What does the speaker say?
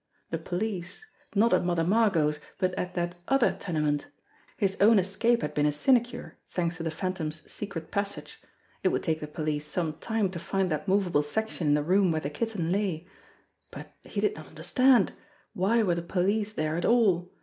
The police not at Mother Margot's, but at that otJier tenement ! His own escape had been a sinecure, thanks to the Phantom's secret passage. It would take the police some time to find that movable section in the room where the Kitten lay ! But he did not understand. Why were the police there at all?